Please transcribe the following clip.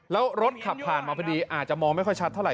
แล้วรถขับผ่านมาพอดีอาจจะมองไม่ค่อยชัดเท่าไห